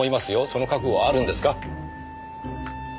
その覚悟はあるんですか？